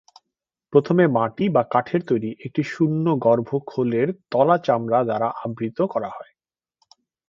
প্রথমে মাটি বা কাঠের তৈরী একটি শূন্যগর্ভ খোলের তলা চামড়া দ্বারা আবৃত করা হয়।